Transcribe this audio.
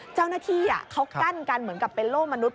เจ้าหน้าที่เขากั้นกันเหมือนกับเป็นโล่มนุษย